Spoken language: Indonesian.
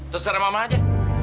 terserah mama aja